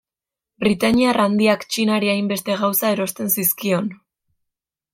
Britaniar Handiak Txinari hainbeste gauza erosten zizkion.